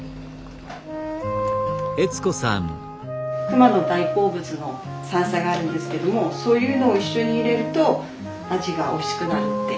熊の大好物の山菜があるんですけどもそういうのを一緒に入れると味がおいしくなるって。